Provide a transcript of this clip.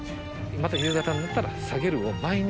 また夕方になったら下げるを毎日。